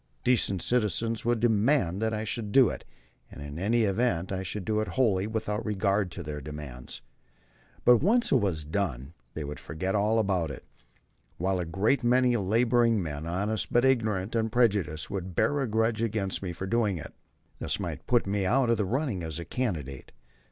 Decent citizens would demand that I should do it, and in any event I should do it wholly without regard to their demands. But, once it was done, they would forget all about it, while a great many laboring men, honest but ignorant and prejudiced, would bear a grudge against me for doing it. This might put me out of the running as a candidate.